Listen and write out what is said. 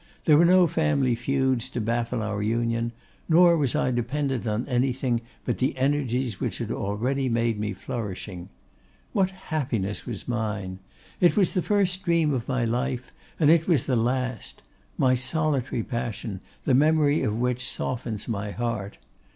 There were no family feuds to baffle our union, nor was I dependent on anything, but the energies which had already made me flourishing. What happiness was mine! It was the first dream of my life, and it was the last; my solitary passion, the memory of which softens my heart.